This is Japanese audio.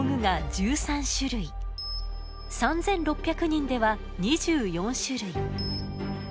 ３，６００人では２４種類。